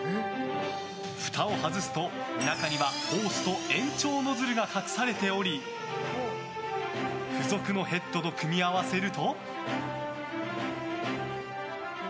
ふたを外すと中にはホースと延長ノズルが隠されており付属のヘッドと組み合わせると。